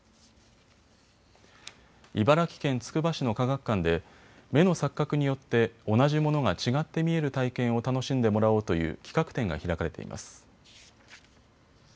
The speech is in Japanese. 茨城県つくば市の科学館で目の錯覚によって同じものが違って見える体験を楽しんでもらおうという企画展が開かれています。